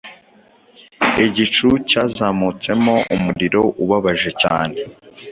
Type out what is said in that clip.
igicu cyazamutsemo umuriro ubabajecyane